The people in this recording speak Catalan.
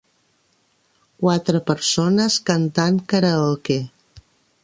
Quatre persones cantant karaoke.